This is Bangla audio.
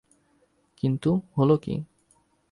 কিন্তু, হল কী?